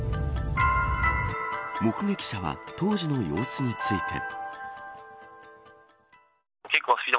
目撃者は当時の様子について。